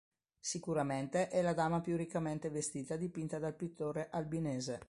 Sicuramente è la dama più riccamente vestita dipinta dal pittore albinese.